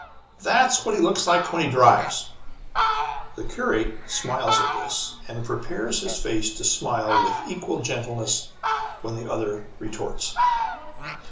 That's what he looks like when he drives." The curate smiles at this and prepares his face to smile with equal gentleness when the other retorts.